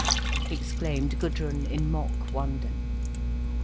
exclaimed Gudrun, in mock wonder.